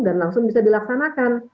dan langsung bisa dilaksanakan